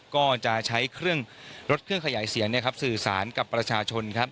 ก็จะใช้รถเครื่องขยายเสียงสื่อสารกับประชาชน